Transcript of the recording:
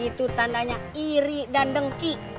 itu tandanya iri dan dengki